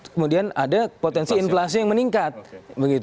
kemudian ada potensi inflasi yang meningkat begitu